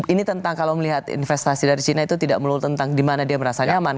ini tentang kalau melihat investasi dari china itu tidak melulu tentang di mana dia merasa nyaman